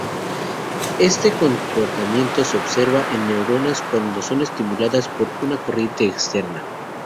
Este comportamiento se observa en neuronas cuando son estimuladas por una corriente externa.